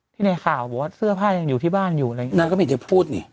ที่นายข่าวบอกว่าเสื้อผ้ายังอยู่ที่บ้านอยู่อะไรอย่างเงี้ยนางก็ไม่อยากจะพูดนี่